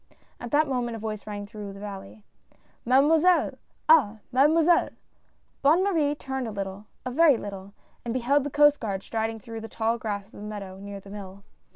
At that moment a voice rang through the valley :" Mademoiselle — ah I Mademoiselle !" Bonne Marie turned a little — a very little, and be held the Coast Guard striding through the tall grass of the meadow, near the mill.